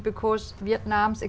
giữa việt nam và eu